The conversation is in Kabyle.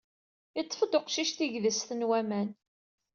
Iṭṭef-d uqcic tigdest n waman.